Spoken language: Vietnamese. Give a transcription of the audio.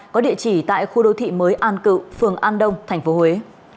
có địa chỉ tại khu đô thị mới an cự phường an đông thành phố huế